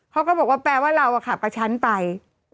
เขาก็บอกว่าแปลว่าเราขับกระชั้นไป